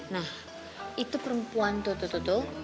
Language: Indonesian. nah itu perempuan tuh tuh tuh tuh